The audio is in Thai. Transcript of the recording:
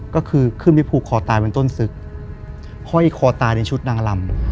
ก็คือขึ้นไปผูกคอตายบนต้นศึกห้อยคอตายในชุดนางลำ